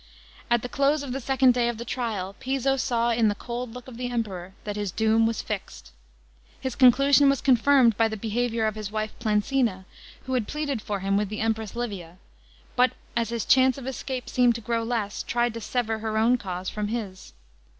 At the close of the second day of the trial, Piso saw in the cold look of the Emperor that his doom was fixed. His conclusion was confirmed by the behaviour ot his wife Plancina, who had pleaded for him with the Empress Livia, but, as his chances of escape seemed to grow less, tried to sever her own cause from his.